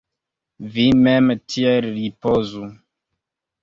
Vi mem tiel ripozu!